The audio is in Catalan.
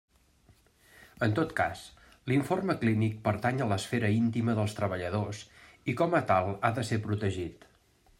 En tot cas, l'informe clínic pertany a l'esfera íntima dels treballadors i com a tal ha de ser protegit.